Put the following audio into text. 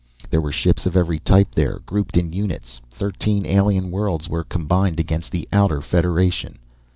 There were ships of every type there, grouped in units. Thirteen alien worlds were combined against the Outer Federation.